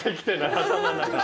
頭の中。